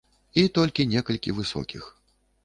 І толькі некалькі высокіх.